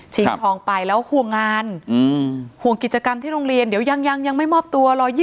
ทองไปแล้วห่วงงานห่วงกิจกรรมที่โรงเรียนเดี๋ยวยังไม่มอบตัว๑๒๐